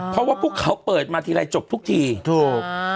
เพราะว่าพวกเขาเปิดมาทีไรจบทุกทีถูก